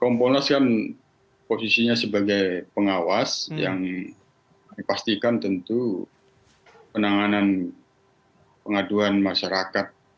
kompolnas kan posisinya sebagai pengawas yang dipastikan tentu penanganan pengaduan masyarakat